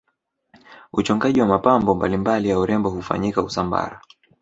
uchongaji wa mapambo mbalimbali ya urembo hufanyika usambara